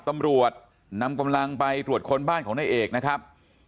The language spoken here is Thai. ตำรวจนำกำลังไปตรวจคนบ้านของนายเอกนะครับ